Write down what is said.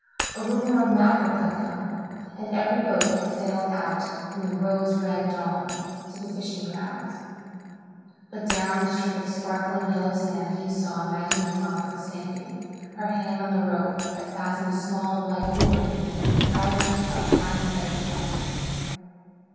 A rumour of mackerel had come, and every boat had sailed out in the rose red dawn to the fishing grounds. But down on a strip of sparkling yellow sand he saw Magdalen Crawford standing, her hand on the rope that fastened a small white dory to the fragment of a half embedded wreck.